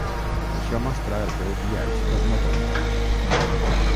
Això mostra el teu biaix cosmopolita.